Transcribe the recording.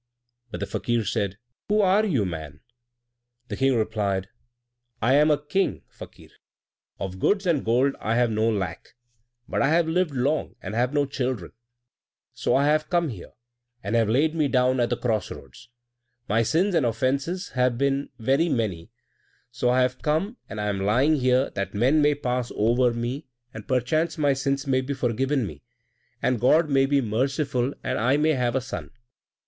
But the Fakir said, "Who are you, man?" The King replied, "I am a King, Fakir. Of goods and gold I have no lack, but I have lived long and have no children. So I have come here, and have laid me down at the cross roads. My sins and offences have been very many, so I have come and am lying here that men may pass over me, and perchance my sins may be forgiven me, and God may be merciful, and I may have a son."